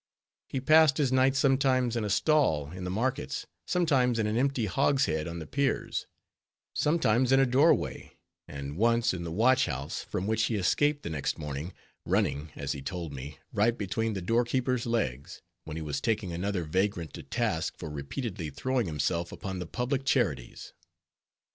He passed his nights sometimes in a stall in the markets, sometimes in an empty hogshead on the piers, sometimes in a doorway, and once in the watchhouse, from which he escaped the next morning, running as he told me, right between the doorkeeper's legs, when he was taking another vagrant to task for repeatedly throwing himself upon the public charities.